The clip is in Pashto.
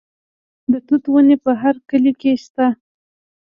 د توت ونې په هر کلي کې شته.